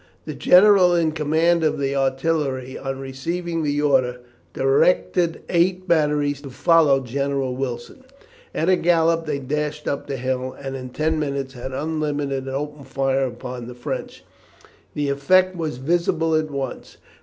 The general in command of the artillery, on receiving the order, directed eight batteries to follow General Wilson. At a gallop they dashed up the hill, and in ten minutes had unlimbered and opened fire upon the French. The effect was visible at once.